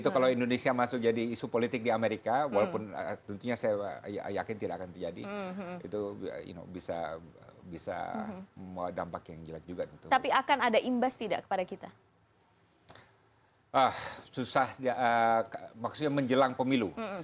terjadi di amerika apa artinya bagi